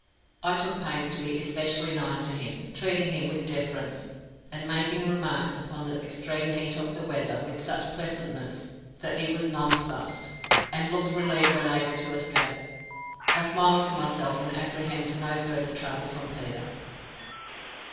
I took pains to be especially nice to him, treating him with deference, and making remarks upon the extreme heat of the weather with such pleasantness that he was nonplussed, and looked relieved when able to escape. I smiled to myself, and apprehended no further trouble from Peter.